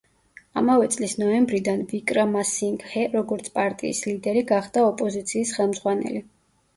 ამავე წლის ნოემბრიდან ვიკრამასინგჰე, როგორც პარტიის ლიდერი, გახდა ოპოზიციის ხელმძღვანელი.